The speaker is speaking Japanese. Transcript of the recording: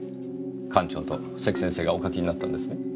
館長と関先生がお描きになったんですね？